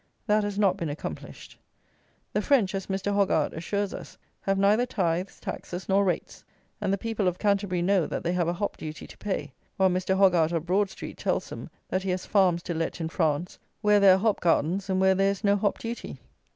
That has not been accomplished. The French, as Mr. Hoggart assures us, have neither tithes, taxes, nor rates; and the people of Canterbury know that they have a hop duty to pay, while Mr. Hoggart, of Broad street, tells them that he has farms to let, in France, where there are hop gardens and where there is no hop duty.